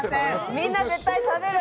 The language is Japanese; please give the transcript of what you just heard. みんな絶対食べる。